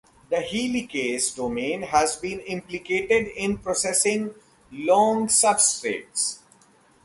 The helicase domain has been implicated in processing long substrates.